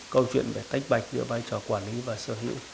câu chuyện về tách bạch giữa vai trò quản lý và sở hữu